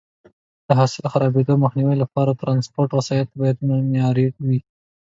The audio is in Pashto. د حاصل د خرابېدو مخنیوي لپاره د ټرانسپورټ وسایط باید معیاري وي.